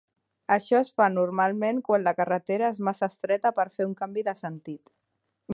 Això es fa normalment quan la carretera és massa estreta per fer un canvi de sentit.